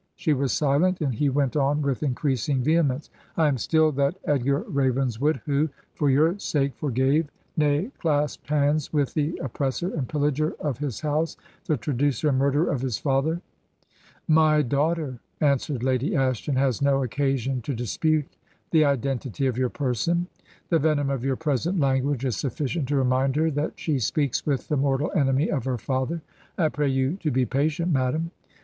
She was silent, and he went on with increasing vehemence, 'I am still that Edgar Ravenswood, who ... for your sake forgave, nay clasped hands with the oppressor and pillager of his house — ^the traducer and murderer of hds father/ ' My daughter,' answered Lady Ashton, ' has no occasion to dispute the identity of your person ; the venom of your present language is suflScient to remind her that she speaks with the mortal enemy of her father. '' I pray you to be patient, madam.